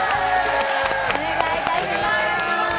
お願いいたします。